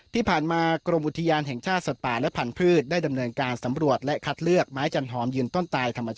ที่ผ่านมากรมอุทยานแห่งชาติสัตว์ป่าและพันธุ์ได้ดำเนินการสำรวจและคัดเลือกไม้จันหอมยืนต้นตายธรรมชาติ